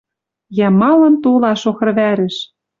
Йӓ, малын толаш охыр вӓрӹш?» —